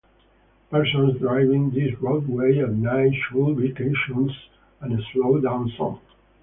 Persons driving this roadway at night should be cautious and slow down some.